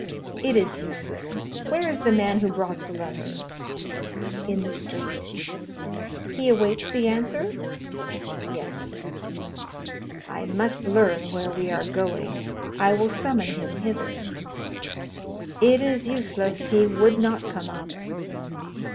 "It is useless. Where is the man who brought the letter?" "In the street." "He awaits the answer?" "Yes." "I must learn where we are going. I will summon him hither." "It is useless; he would not come up."